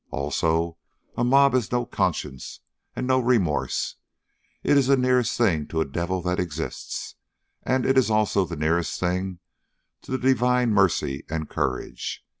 Also, a mob has no conscience and no remorse. It is the nearest thing to a devil that exists, and it is also the nearest thing to the divine mercy and courage.